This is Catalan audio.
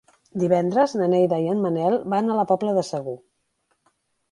Divendres na Neida i en Manel van a la Pobla de Segur.